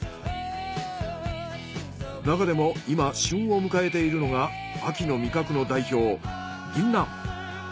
中でも今旬を迎えているのが秋の味覚の代表ギンナン。